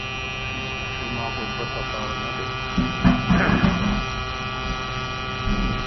تون مانک اڀتا پار نه ڏي